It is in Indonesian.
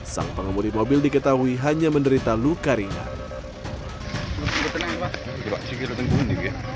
sang pengemudi mobil diketahui hanya menderita luka ringan